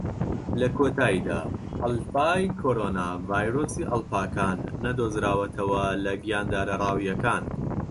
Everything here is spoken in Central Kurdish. لە کۆتایدا، ئەلفای کۆرۆنا ڤایرۆسی ئەڵپاکان نەدۆزراوەتەوە لە گیاندارە ڕاویەکان.